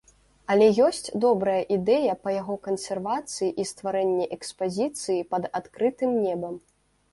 Але ёсць добрая ідэя па яго кансервацыі і стварэнні экспазіцыі пад адкрытым небам.